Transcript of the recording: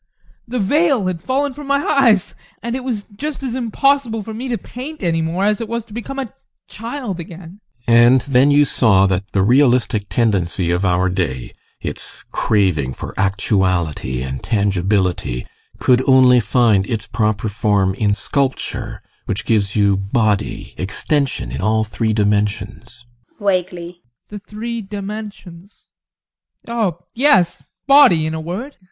The veil had fallen from my eyes, and it was just as impossible for me to paint any more as it was to become a child again. GUSTAV. And then you saw that the realistic tendency of our day, its craving for actuality and tangibility, could only find its proper form in sculpture, which gives you body, extension in all three dimensions ADOLPH. [Vaguely] The three dimensions oh yes, body, in a word!